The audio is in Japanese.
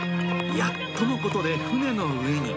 やっとのことで船の上に。